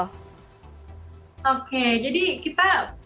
oke jadi kita pertama kali kita ketemu